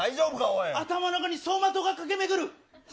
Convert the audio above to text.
頭の中に走馬灯が駆け巡る。